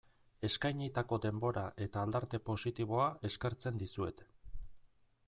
Eskainitako denbora eta aldarte positiboa eskertzen dizuet.